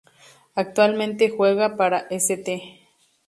Actualmente juega para St.